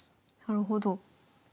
なるほど。